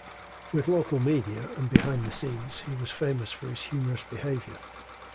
With local media and behind the scenes he was famous for his humorous behavior.